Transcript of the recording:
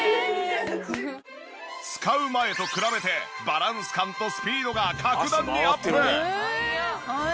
使う前と比べてバランス感とスピードが格段にアップ。